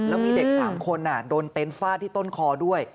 และมีเด็กสามคนโดนเต็นต์ฝ้าที่ต้นคอด้วย